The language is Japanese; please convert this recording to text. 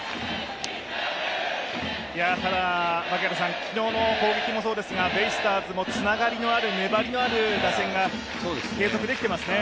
ただ、昨日の攻撃もそうですが、ベイスターズもつながりのある粘りのある打線が継続できていますね。